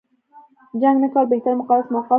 جنګ نه کول بهترین او مقدس موقف و.